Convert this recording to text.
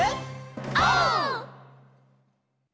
オー！